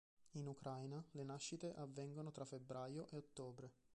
In Ucraina le nascite avvengono tra febbraio e ottobre.